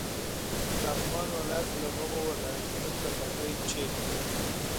لغمان ولایت له هغو ولایتونو څخه دی چې: